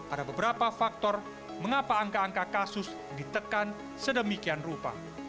ada beberapa faktor mengapa angka angka kasus ditekan sedemikian rupa